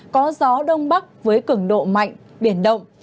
có gió đông bắc với cứng độ mạnh biển đông